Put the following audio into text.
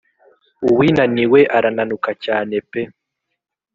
uwinaniwe arananuka cyane pe